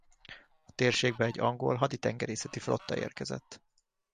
A térségbe egy angol haditengerészeti flotta érkezett.